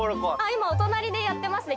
今お隣でやってますね